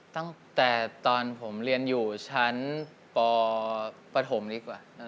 ตั้งแต่ตอนผมเรียนอยู่ชั้นปปฐมดีกว่า